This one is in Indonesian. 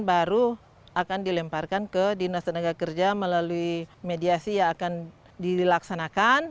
baru akan dilemparkan ke dinas tenaga kerja melalui mediasi yang akan dilaksanakan